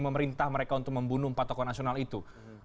memerintah mereka untuk membunuh empat tokoh nasional itu